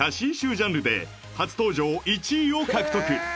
ジャンルで初登場１位を獲得